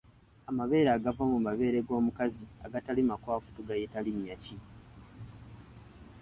Amabeere agava mu mabeere g’omukazi agatali makwafu tugayita linnya ki?